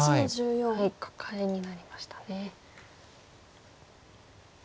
カカエになりましたね。